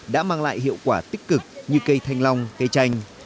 đã mang lại hiệu quả tích cực như cây thanh long cây chanh